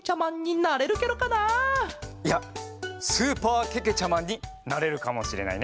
いやスーパーけけちゃマンになれるかもしれないね。